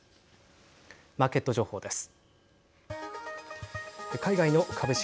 マーケット情報です。